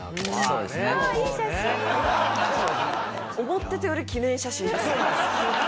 思ってたより記念写真ですね。